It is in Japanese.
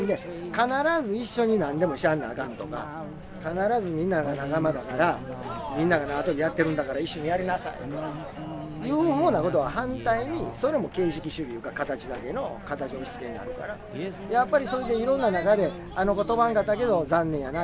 必ず一緒に何でもしないとあかんとか必ずみんなが仲間だからみんなが縄跳びやってるんだから一緒にやりなさいとかいうふうなことは反対にそれも形式主義いうか形だけの形の押しつけになるからやっぱりそれでいろんな中であの子跳ばんかったけど残念やな。